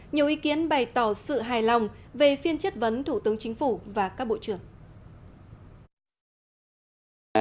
nhiều ý kiến bày tỏ sự hài lòng về phiên chất vấn thủ tướng chính phủ và các bộ trưởng